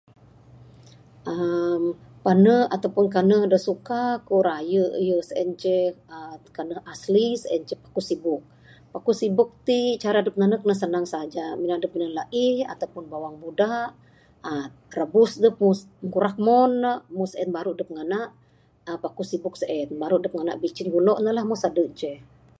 uhh pane ato pun kaneh da suka ku raye yeh sien ceh uhh kaneh asli sien ceh pakuh sibuk. Pakuh sibuk ti cara adep nanek ne sanang saja. Mina adep minan laih ato pun bawang buda uhh rabus kurak umon ne meh sieh baru adep ngana pakuh sibuk sien. Baru dep ngana bicin gulo ne lah meh sade ceh.